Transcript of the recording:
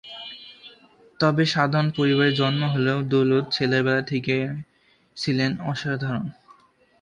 তবে সাধারণ পরিবারে জন্ম হলেও দৌলত ছেলেবেলা থেকেই ছিলেন অসাধারণ।